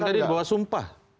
bukan tadi bawa sumpah